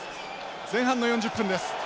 前半の４０分です。